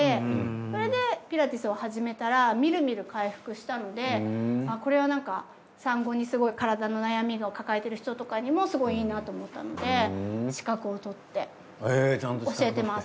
それでピラティスを始めたらみるみる回復したのでこれはなんか産後にすごい体の悩みを抱えてる人とかにもすごいいいなと思ったので資格を取って教えてます。